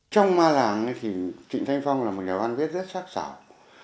trong ma làng thì trịnh thanh phong là một nhà văn viết rất sắc xảo